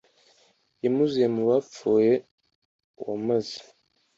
yamuzuye mu bapfuye w maze